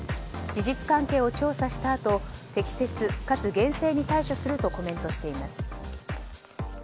事実関係を調査したあと適切かつ厳正に対処するとコメントしています。